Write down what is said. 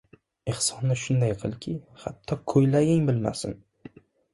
• Ehsonni shunday qilki, hatto ko‘ylaging bilmasin.